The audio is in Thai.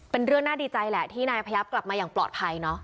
เป็นเรื่องน่าดีใจแหละที่นายพยับกลับมาอย่างปลอดภัยเนอะ